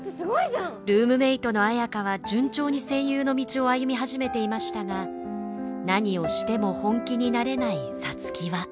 ルームメートの綾花は順調に声優の道を歩み始めていましたが何をしても本気になれない皐月は。